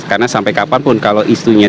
karena sampai kapanpun kalau isunya